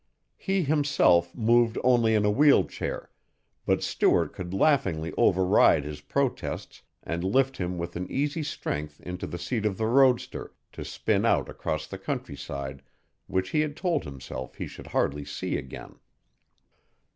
He, himself, moved only in a wheel chair, but Stuart could laughingly override his protests and lift him with an easy strength into the seat of the roadster to spin out across the countryside which he had told himself he should hardly see again.